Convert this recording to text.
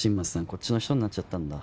こっちの人になっちゃったんだ